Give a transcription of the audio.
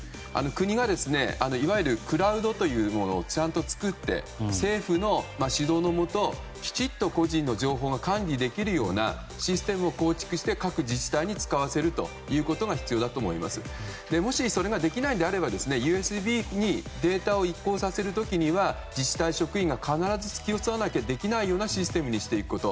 国がいわゆるクラウドというものをちゃんと作って政府の指導のもときちっと個人の情報が管理できるようなシステムを構築して各自治体に使わせるのが必要でそれができないならＵＳＢにデータを移行させる時には自治体職員が必ず付き添わなきゃできないようなシステムにしていくこと。